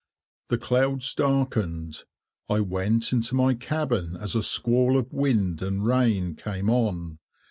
The clouds darkened. I went into my cabin as a squall of wind and rain came on.